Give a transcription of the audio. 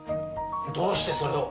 どうしてそれを！？